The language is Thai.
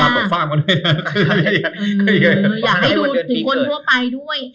แล้วก็เห้ยยอย่าให้ดูถึงคนทั่วไปโดย